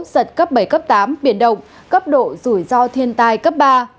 giật cấp bảy cấp tám biển động cấp độ rủi ro thiên tai cấp ba